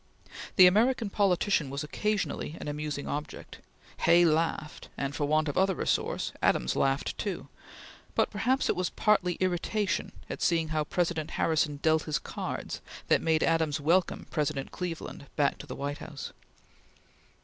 The American politician was occasionally an amusing object; Hay laughed, and, for want of other resource, Adams laughed too; but perhaps it was partly irritation at seeing how President Harrison dealt his cards that made Adams welcome President Cleveland back to the White House.